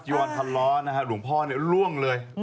จีวอนพันล้อหลวงพ่อล่วงเลย